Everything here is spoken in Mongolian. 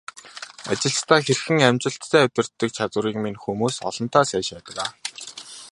Ажилчдаа хэрхэн амжилттай удирддаг чадварыг минь хүмүүс олонтаа сайшаадаг.